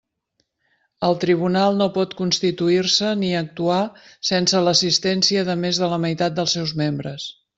El Tribunal no pot constituir-se ni actuar sense l'assistència de més de la meitat dels seus membres.